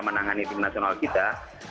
menangani tim nasional kita